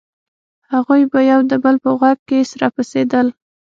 هغوى به يو د بل په غوږ کښې سره پسېدل.